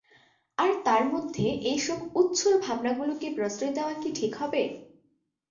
আর তার মধ্যে এসব উচ্ছ্বল ভাবনাগুলোকে প্রশ্রয় দেওয়া কী ঠিক হবে?